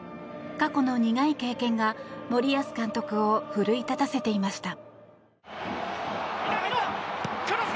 過去の苦い経験が森保監督を奮い立たせていました。